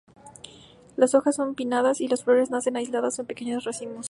Las hojas son pinnadas y las flores nacen aisladas o en pequeños racimos.